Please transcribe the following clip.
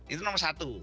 itu nomor satu